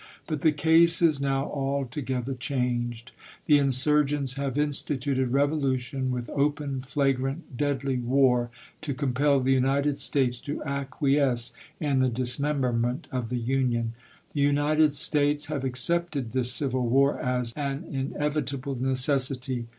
But the case is now altogether changed. The insurgents have instituted revolution with open, flagrant, deadly war to compel the United States to acquiesce in the dismemberment of the Union. The United States have accepted this civil war as an inevitable necessity.